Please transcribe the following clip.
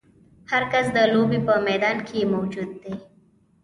هر کس د لوبې په میدان کې موجود دی.